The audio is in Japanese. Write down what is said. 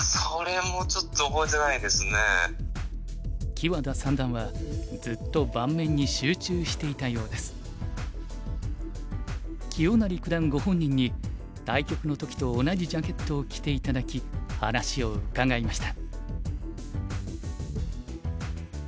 木和田三段はずっと清成九段ご本人に対局の時と同じジャケットを着て頂き話を伺いました。